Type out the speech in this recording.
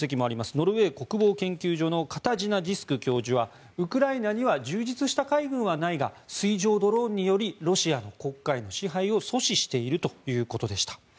ノルウェー国防研究所のカタジナ・ジスク教授はウクライナには充実した海軍はないが水上ドローンによりロシアの黒海支配を阻止しているということでした。